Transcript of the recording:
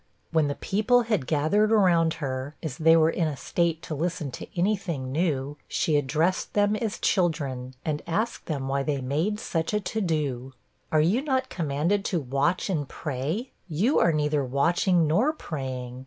When the people had gathered around her, as they were in a state to listen to any thing new, she addressed them as 'children,' and asked them why they made such a 'To do; are you not commanded to "watch and pray?" You are neither watching nor praying.'